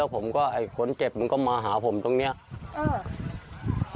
แล้วก็ไปเลยแล้วผมก็ไอ้คนเจ็บมันก็มาหาผมตรงเนี้ยอ่า